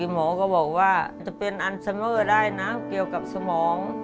หมอก็บอกว่าจะเป็นอันเซอร์เมอร์ได้นะเกี่ยวกับสมอง